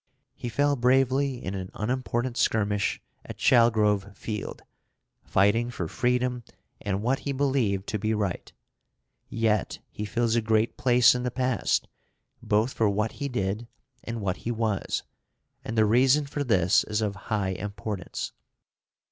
He fell bravely in an unimportant skirmish at Chalgrove Field, fighting for freedom and what he believed to be right. Yet he fills a great place in the past, both for what he did and what he was, and the reason for this is of high importance.